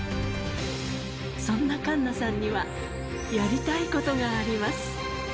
そんな栞奈さんには、やりたいことがあります。